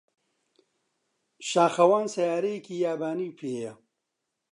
شاخەوان سەیارەیەکی یابانی پێیە.